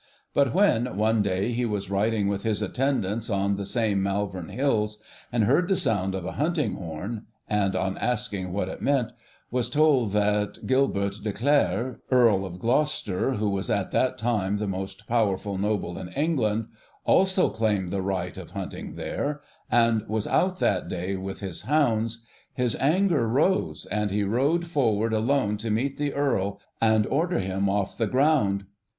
But when, one day, he was riding with his attendants on these same Malvern Hills, and heard the sound of a hunting horn, and, on asking what it meant, was told that Gilbert de Clare, Earl of Gloucester, who was at that time the most powerful noble in England, also claimed the right of hunting there, and was out that day with his hounds, his anger rose, and he rode forward alone to meet the Earl and order him off the ground.